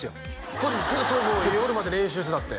ここでずっと夜まで練習してたって